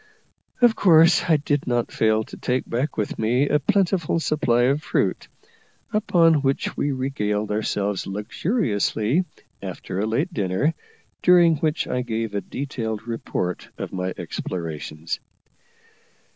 Of course I did not fail to take back with me a plentiful supply of fruit, upon which we regaled ourselves luxuriously after a late dinner, during which I gave a detailed report of my explorations.